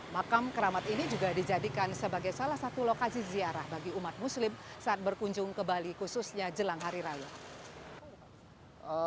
makam keramat ini juga dijadikan sebagai salah satu lokasi ziarah bagi umat muslim saat berkunjung ke bali khususnya jelang hari raya